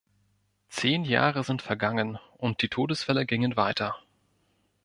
Zehn Jahre sind vergangen, und die Todesfälle gingen weiter.